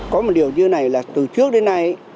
có một điều như này là từ trước đến nay